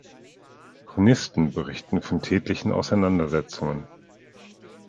Chronisten berichten von tätlichen Auseinandersetzungen.